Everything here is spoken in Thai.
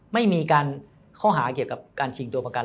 ไม่มีการข้อหาเกี่ยวกับการชิงตัวประกัน